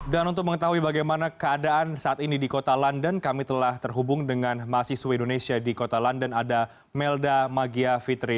dan untuk mengetahui bagaimana keadaan saat ini di kota london kami telah terhubung dengan mahasiswa indonesia di kota london ada melda magia fitri